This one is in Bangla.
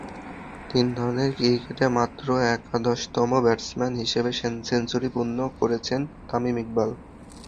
তিন ধরনের ক্রিকেটে মাত্র একাদশতম ব্যাটসম্যান হিসেবে সেঞ্চুরি পূর্ণ করেছেন তামিম ইকবাল।